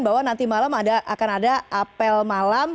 bahwa nanti malam akan ada apel malam